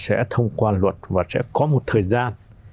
sẽ thông qua luật và sẽ có một thời gian